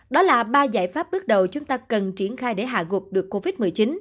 đó là ba giải pháp bước đầu chúng ta cần triển khai để hạ gục được covid một mươi chín